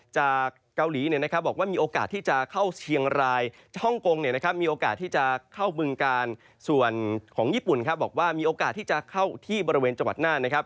จากเกาหลีบอกว่ามีโอกาสที่จะเข้าเชียงรายฮ่องกงมีโอกาสที่จะเข้าบึงกาลส่วนของญี่ปุ่นครับบอกว่ามีโอกาสที่จะเข้าที่บริเวณจังหวัดน่านนะครับ